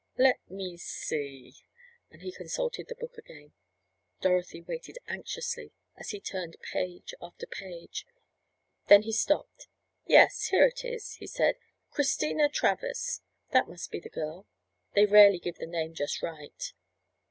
"Let me see," and he consulted the book again. Dorothy waited anxiously, as he turned page after page. Then he stopped. "Yes, here it is," he said. "Christina Travers. That must be the girl. They rarely give the name just right."